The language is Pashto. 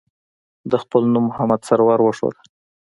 ده خپل نوم محمد سرور وښوده.